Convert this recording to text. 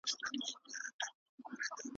د ډیپلوماسۍ له لاري د ملکیت حق نه خوندي کیږي.